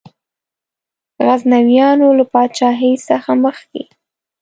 د غزنویانو له پاچهۍ څخه مخکي.